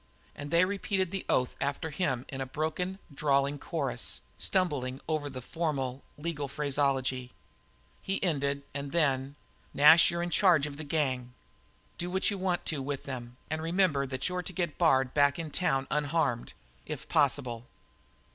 And they repeated the oath after him in a broken, drawling chorus, stumbling over the formal, legal phraseology. He ended, and then: "Nash, you're in charge of the gang. Do what you want to with them, and remember that you're to get Bard back in town unharmed if possible."